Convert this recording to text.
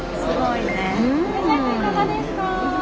すごいね。